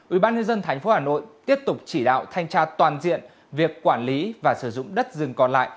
ubnd tp hà nội tiếp tục chỉ đạo thanh tra toàn diện việc quản lý và sử dụng đất rừng còn lại